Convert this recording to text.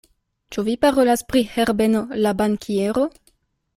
Ĉu vi parolas pri Herbeno la bankiero?